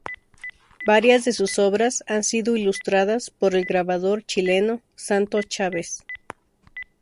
Varias de sus obras han sido ilustradas por el grabador chileno Santos Chávez.